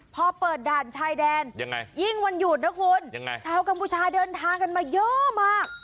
พอเปิดด่านชายแดนยังไงยิ่งวันหยุดนะคุณยังไงชาวกัมพูชาเดินทางกันมาเยอะมาก